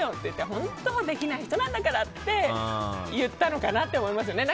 本当できない人なんだからって言ったのかなって思いますね。